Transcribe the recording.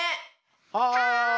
はい！